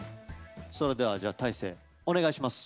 それではじゃあ大晴お願いします。